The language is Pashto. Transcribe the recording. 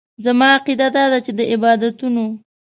زما عقیده داده چې د عبادتونو.